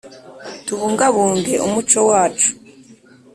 tubungabunge umuco wacu